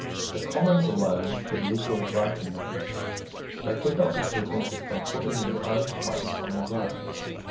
The Commons alone could legally grant him money. They could not be prevented from putting their own price on their grants.